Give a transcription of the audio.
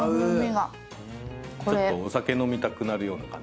ちょっとお酒飲みたくなるような感じ。